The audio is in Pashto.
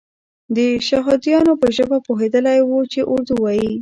د شهادیانو په ژبه پوهېدلی وو چې اردو وایي.